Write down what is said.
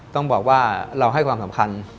ต้องบอกว่าเราให้ความสำคัญ